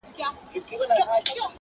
سترگي ډېوې زلفې انگار دلته به اوسېږم زه_